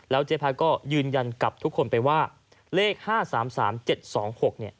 แล้วเจ๊พัดก็ยืนยันกับทุกคนไปว่าเลขห้าสามสามเจ็ดสองหกเนี้ย